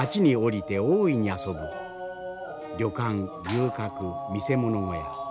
旅館遊郭見せ物小屋。